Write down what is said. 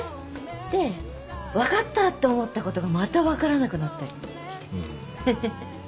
で分かったと思ったことがまた分からなくなったりして。